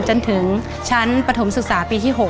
จนถึงชั้นปฐมศึกษาปีที่๖